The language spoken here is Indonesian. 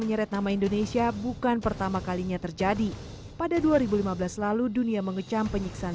menyeret nama indonesia bukan pertama kalinya terjadi pada dua ribu lima belas lalu dunia mengecam penyiksaan